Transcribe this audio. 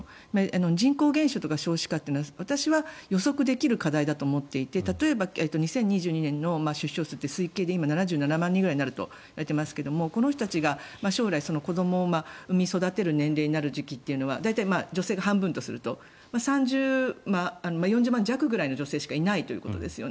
人口減少とか少子化って、私は予測できる課題だと思っていて例えば２０２２年の出生数って推計で７７万人ぐらいになるといわれていますがこの人たちが将来子どもを産み育てる年齢になる時期というのは大体女性が半分とすると４０万弱ぐらいの女性しかいないということですね。